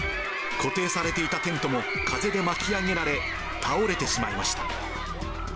固定されていたテントも風で巻き上げられ、倒れてしまいました。